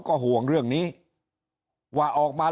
ถ้าท่านผู้ชมติดตามข่าวสาร